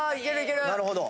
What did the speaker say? なるほど。